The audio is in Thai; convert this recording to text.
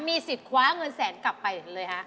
มีสิทธิ์คว้าเงินแสนกลับไปเลยฮะ